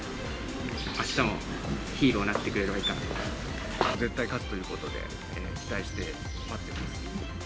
あしたもヒーローになってく絶対勝つということで、期待して待ってます。